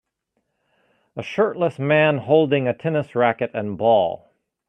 A shirtless man holding a tennis racket and ball.